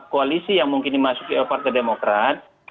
koalisi yang mungkin dimasuki oleh partai demokrat